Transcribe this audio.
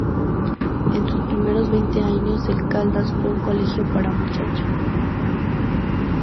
En sus primeros veinte años el Caldas fue un colegio para muchachos.